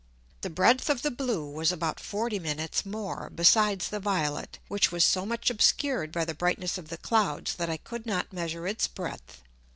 The breadth of the blue was about 40 Minutes more besides the violet, which was so much obscured by the brightness of the Clouds, that I could not measure its breadth.